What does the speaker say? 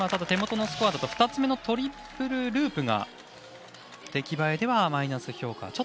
手元のスコアだと２つ目のトリプルループが出来栄えではマイナス評価